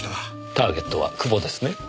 ターゲットは久保ですね。